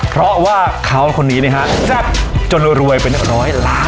เพราะว่าเขาคนนี้เนี้ยฮะจับจนรวยรวยเป็นหน้าร้อยล้าน